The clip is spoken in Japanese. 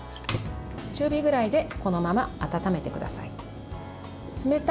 中火ぐらいでこのまま温めてください。